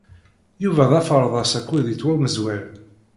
Yuba d aferḍas akked i ttwameẓwel.